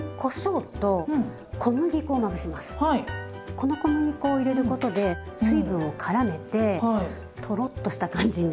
この小麦粉を入れることで水分をからめてとろっとした感じになるんです。